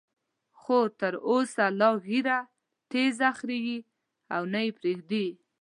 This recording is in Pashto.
خو تر اوسه لا ږیره تېزه خرېي او نه یې پریږدي.